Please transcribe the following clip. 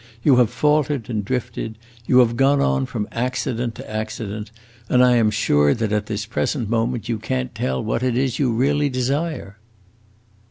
You have faltered and drifted, you have gone on from accident to accident, and I am sure that at this present moment you can't tell what it is you really desire!"